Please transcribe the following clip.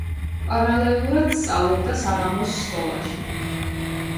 პარალელურად სწავლობდა საღამოს სკოლაში.